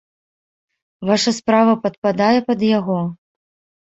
Ваша справа падпадае пад яго?